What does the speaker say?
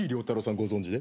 ご存じで？